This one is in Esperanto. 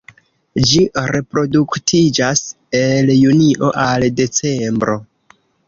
Ĝi reproduktiĝas el junio al decembro.